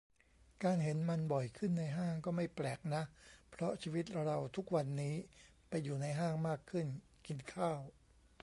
การเห็นมันบ่อยขึ้นในห้างก็ "ไม่แปลก" นะ เพราะชีวิตเราทุกวันนี้ไปอยู่ในห้างมากขึ้น กินข้าว